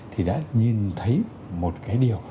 thì đã nhìn thấy một cái điều